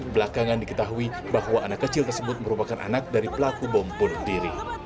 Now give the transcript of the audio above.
belakangan diketahui bahwa anak kecil tersebut merupakan anak dari pelaku bom bunuh diri